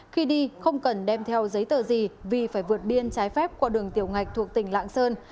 khi đi không cần đem theo giấy tờ gì vì phải vượt biên trái phép qua đường tiểu ngạch thuộc tỉnh lạng sơn